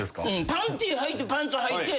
パンティーはいてパンツはいて。